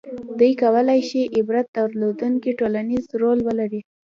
• دې کولای شي عبرت درلودونکی ټولنیز رول ولري.